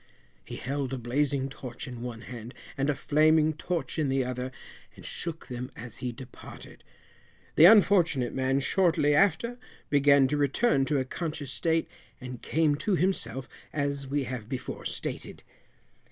He held a blazing torch in one hand, and a flaming torch in the other, and shook them as he departed. The unfortunate man shortly after began to return to a conscious state, and came to himself, as we have before stated.